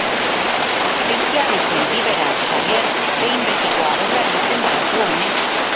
Ez jarri sentibera, Xavier, behin betiko agurra ematen baitu honek.